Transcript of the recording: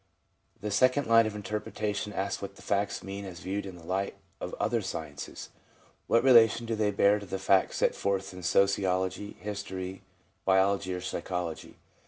The second line of interpretation asks what the facts mean as viewed in the light of other sciences — what relation do they bear to the facts set forth in sociology, history, biology, or psychology